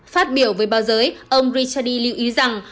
phát biểu với báo giới ông richardi lưu ý rằng